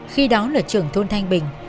khi đó là trưởng thôn thanh bình